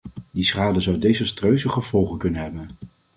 Die schade zou desastreuze gevolgen kunnen hebben.